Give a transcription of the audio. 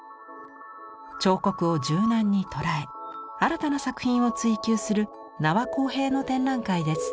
彫刻を柔軟に捉え新たな作品を追求する名和晃平の展覧会です。